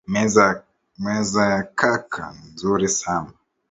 Meza ya kaka ni nzuri sana